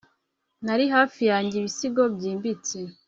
nari hafi yanjye ibisigo byimbitse